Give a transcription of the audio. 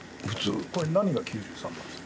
・これ何が９３なんですか？